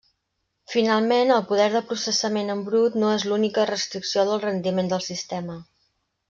Finalment, el poder de processament en brut no és l’única restricció del rendiment del sistema.